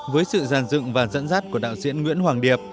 với sự giàn dựng và dẫn dắt của đạo diễn nguyễn hoàng điệp